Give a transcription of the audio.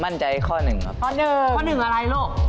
ข้อหนึ่งครับข้อหนึ่งข้อหนึ่งอะไรลูก